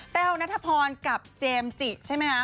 แววนัทพรกับเจมส์จิใช่ไหมคะ